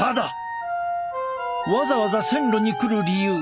わざわざ線路に来る理由